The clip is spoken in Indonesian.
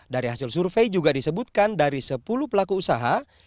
dari hasil survei juga disebutkan dari sepuluh pelaku usaha